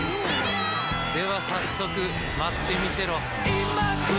では早速、舞ってみせろ。